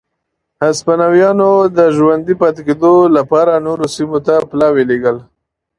هسپانویانو د ژوندي پاتې کېدو لپاره نورو سیمو ته پلاوي لېږل.